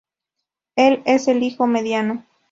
Él es el hijo mediano.